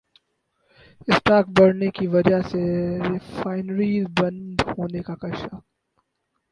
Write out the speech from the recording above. stock بڑھنے کی وجہ سے ریفائنریز بند ہونے کا خدشہ